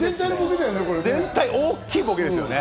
全体が大きいボケですよね？